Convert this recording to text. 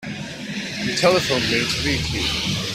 You telephoned me to meet you.